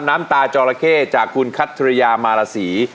น้ำตาจราเคจากคุณคัทรยามารสี